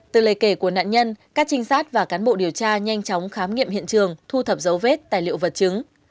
từ lời kể của nạn nhân các trinh sát và cán bộ điều tra nhanh chóng khám nghiệm hiện trường thu thập dấu vết tài liệu vật chứng